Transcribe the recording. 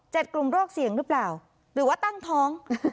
กลุ่มโรคเสี่ยงหรือเปล่าหรือว่าตั้งท้อง